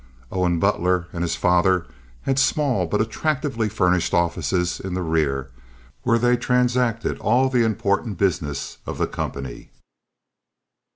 Owen Butler, and his father had small but attractively furnished offices in the rear, where they transacted all the important business of the company.